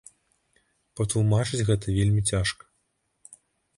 Патлумачыць гэта вельмі цяжка.